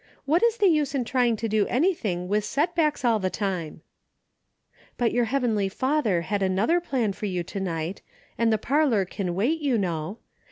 What is the use in trying to do anything with setbacks all the time ?"" But your heavenly Father had another plan for you to night, and the parlor can wait, you know.